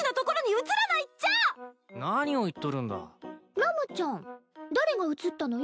ラムちゃん誰が映ったのよ。